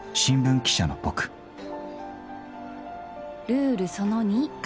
ルールその２。